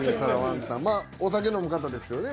まあお酒飲む方ですよね